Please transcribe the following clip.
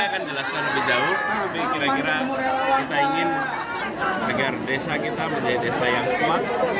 kira kira kita ingin negara desa kita menjadi desa yang kuat